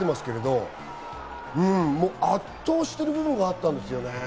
圧倒してる部分があったんですよね。